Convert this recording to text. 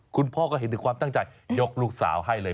คุณพ่อก็เห็นถึงความตั้งใจยกลูกสาวให้เลย